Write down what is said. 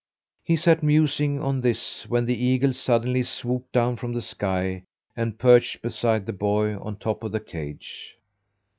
He sat musing on this when the eagle suddenly swooped down from the sky, and perched beside the boy, on top of the cage.